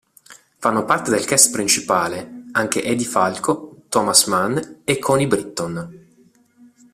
Fanno parte del cast principale anche Edie Falco, Thomas Mann e Connie Britton.